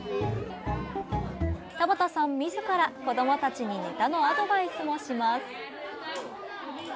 田畑さんみずから、子どもたちにネタのアドバイスもします。